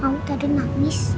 mau tadi nangis